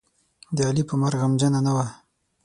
د علي په مرګ غمجنـه نه وه.